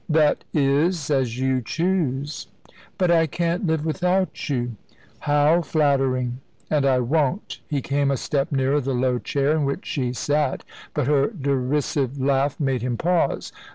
"That is as you choose." "But I can't live without you." "How flattering!" "And I won't"; he came a step nearer the low chair in which she sat, but her derisive laugh made him pause.